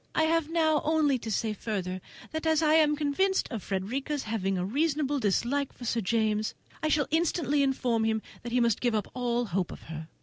I have now only to say further, that as I am convinced of Frederica's having a reasonable dislike to Sir James, I shall instantly inform him that he must give up all hope of her.